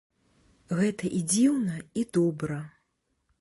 Гэта і дзіўна, і добра.